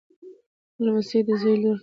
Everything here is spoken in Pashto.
لمسۍ د زوی لور.